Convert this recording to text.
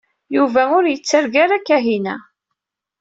Yuba ur yettargu ara Kahina.